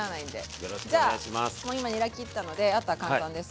じゃあもう今にら切ったのであとは簡単です。